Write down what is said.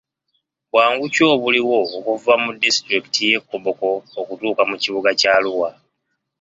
Bwangu ki obuliwo okuva mu disitulikiti y'e Koboko okutuuka mu kibuga kya Arua?